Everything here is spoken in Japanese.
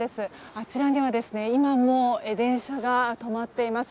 あちらには今も電車が止まっています。